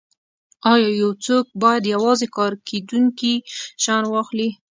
ایا یو څوک باید یوازې کاریدونکي شیان واخلي